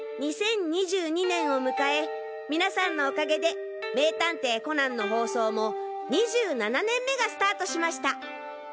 ２０２２年を迎えみなさんのおかげで『名探偵コナン』の放送も２７年目がスタートしました。